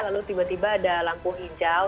lalu tiba tiba ada lampu hijau